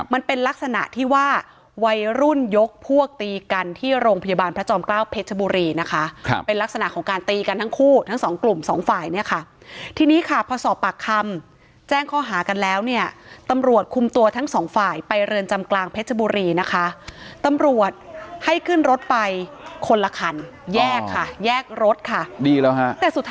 มันเป็นลักษณะที่ว่าวัยรุ่นยกพวกตีกันที่โรงพยาบาลพระจอมเกล้าเพชรบุรีนะคะครับเป็นลักษณะของการตีกันทั้งคู่ทั้งสองกลุ่มสองฝ่ายเนี่ยค่ะทีนี้ค่ะพอสอบปากคำแจ้งข้อหากันแล้วเนี่ยตำรวจคุมตัวทั้งสองฝ่ายไปเรือนจำกลางเพชรบุรีนะคะตำรวจให้ขึ้นรถไปคนละคันแยกค่ะแยกรถค่ะดีแล้วฮะแต่สุท